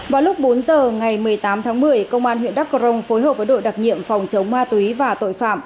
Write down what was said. vào lúc bốn giờ ngày một mươi tám tháng một mươi công an huyện đắk crong phối hợp với đội đặc nhiệm phòng chống ma túy và tội phạm